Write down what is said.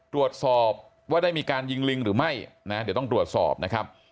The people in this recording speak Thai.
ตรวจสอบว่าได้มีการยิงลิงหรือไม่นะเดี๋ยวต้องตรวจสอบนะครับ